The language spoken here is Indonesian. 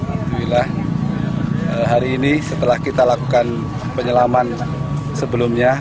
alhamdulillah hari ini setelah kita lakukan penyelaman sebelumnya